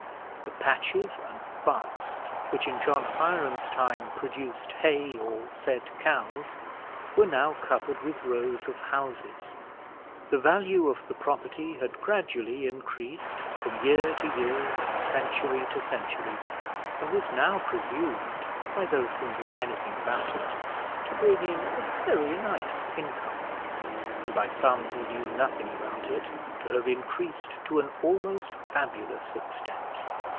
The patches and butts which, in John Hiram's time, produced hay or fed cows, were now covered with rows of houses; the value of the property had gradually increased from year to year and century to century, and was now presumed by those who knew anything about it, to bring in a very nice income; and by some who knew nothing about it, to have increased to an almost fabulous extent.